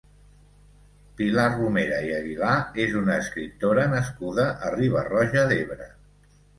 Pilar Romera i Aguilà és una escriptora nascuda a Riba-roja d'Ebre.